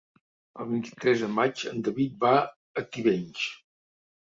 El vint-i-tres de maig en David va a Tivenys.